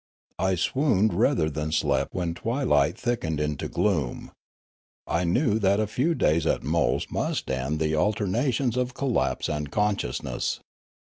I swooned rather than slept when twilight thickened into gloom. I knew that a few days at most must end the alterna tions of collapse and consciousness.